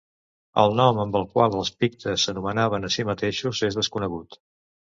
El nom amb el qual els pictes s'anomenaven a si mateixos és desconegut.